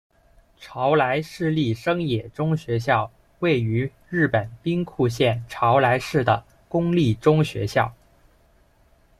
朝来市立生野中学校位于日本兵库县朝来市的公立中学校。